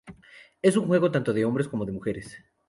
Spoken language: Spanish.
Es un juego tanto de hombres como de mujeres.